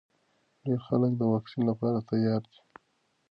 ډېر خلک د واکسین لپاره تیار دي.